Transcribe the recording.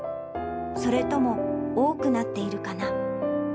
それとも多くなっているかな。